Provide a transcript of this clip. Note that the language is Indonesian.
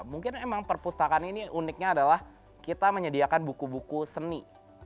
mungkin emang perpustakaan ini uniknya adalah kita menyediakan buku buku seni